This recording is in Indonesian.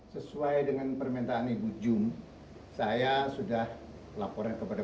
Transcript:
sesuai dengan permintaan ibu jum saya sudah laporkan kepada